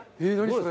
それ。